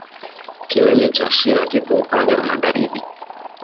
Kilele cha shira kipo upande wa magharibi